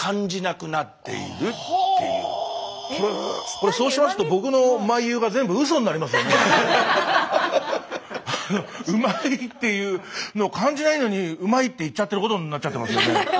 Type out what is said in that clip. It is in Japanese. これそうしますと「うまい」っていうの感じないのに「うまい」って言っちゃってることになっちゃってますよね。